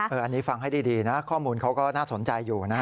อันนี้ฟังให้ดีนะข้อมูลเขาก็น่าสนใจอยู่นะ